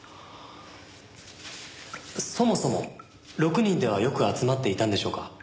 そもそも６人ではよく集まっていたんでしょうか？